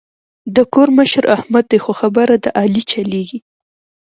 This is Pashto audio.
د کور مشر احمد دی خو خبره د علي چلېږي.